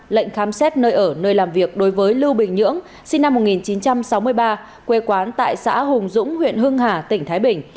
lệnh khám xét nơi ở nơi làm việc đối với lưu bình nhưỡng sinh năm một nghìn chín trăm sáu mươi ba quê quán tại xã hùng dũng huyện hưng hà tỉnh thái bình